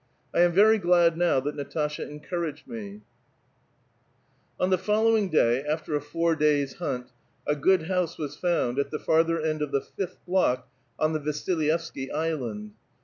••* 1 am very glad now that Natasha encouraged me !" On the following day, after a four days' hunt, a good house 'MrsLS found, at the farther end of the fifth block on the Vasil ^evsky Island.